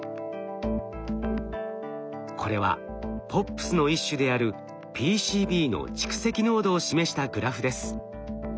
これはＰＯＰｓの一種であるＰＣＢの蓄積濃度を示したグラフです。